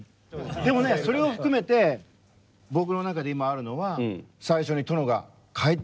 でもねそれを含めて僕の中で今あるのは最初に殿が帰ってきた時。